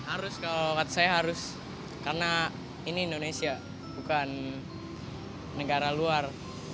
harus kalau kata saya harus karena ini indonesia bukan negara luar